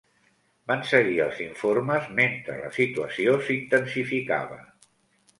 Van seguir els informes mentre la situació s'intensificava.